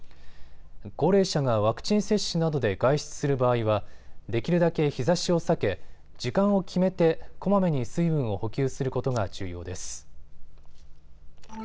高齢者がワクチン接種などで外出する場合はできるだけ日ざしを避け時間を決めてこまめに水分を補給することが重要です。